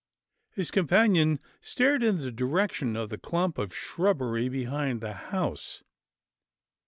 His companion stared in the direction of the clump of shrubbery behind the house.